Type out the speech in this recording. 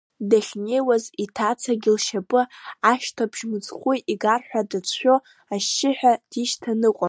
Дахьнеиуаз иҭацагьы лшьапы ашьҭабжь мыцхәы игар ҳәа дацәшәо ашьшьыҳәа дишьҭаныҟәон.